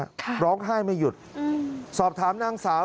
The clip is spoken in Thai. ซะมะครับก่อนลอกห้ายมาหยุดสอบถามนางสาว